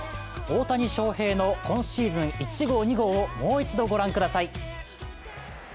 大谷翔平の今シーズン１号、２号をもう一度御覧ください。